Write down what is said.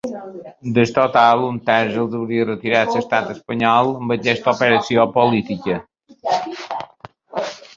Del total, un terç els hauria retirat l’estat espanyol amb aquesta operació política.